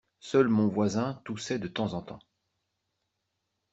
Seul mon voisin toussait de temps en temps.